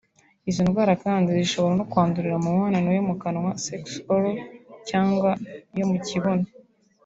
Izo ndwara kandi zishobora no kwandurira mu mibonano yo mu kanwa (sexe oral) cyangwa yo mu kibuno